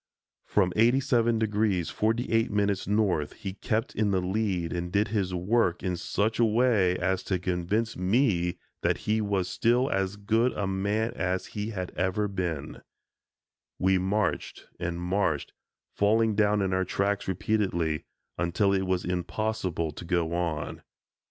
From 87° 48´ north, he kept in the lead and did his work in such a way as to convince me that he was still as good a man as he had ever been. We marched and marched, falling down in our tracks repeatedly, until it was impossible to go on.